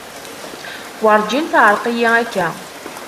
Werǧin teεreq-iyi akka.